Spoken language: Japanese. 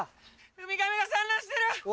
ウミガメが産卵してる！